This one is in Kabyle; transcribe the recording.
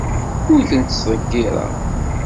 Ur tent-ttḍeyyireɣ.